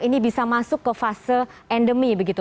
ini bisa masuk ke fase endemi begitu